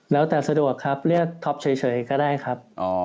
แล้วแต่สะดวกครับเรียกท็อปเฉยก็ได้ครับ